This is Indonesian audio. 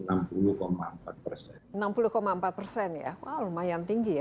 wah lumayan tinggi ya